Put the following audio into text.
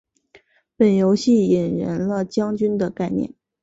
本游戏引人了将军的概念。